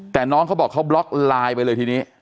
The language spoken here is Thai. แต่น้องเขาบอกเขาบล็อกไลน์ไปเลยทีนี้